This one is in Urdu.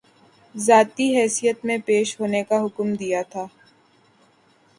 ذاتی حیثیت میں پیش ہونے کا حکم دیا تھا